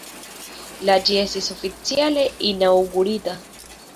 La ĝi estis oficiale inaŭgurita.